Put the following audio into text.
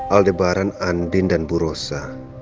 aldebaran andin dan bu rosa